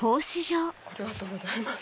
ありがとうございます。